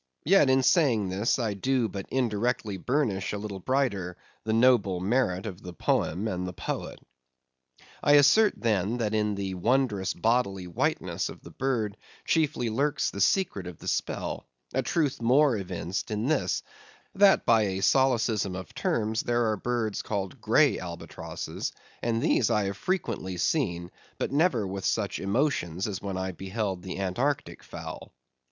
Yet, in saying this, I do but indirectly burnish a little brighter the noble merit of the poem and the poet. I assert, then, that in the wondrous bodily whiteness of the bird chiefly lurks the secret of the spell; a truth the more evinced in this, that by a solecism of terms there are birds called grey albatrosses; and these I have frequently seen, but never with such emotions as when I beheld the Antarctic fowl.